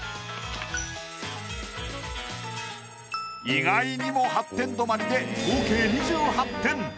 意外にも８点止まりで合計２８点。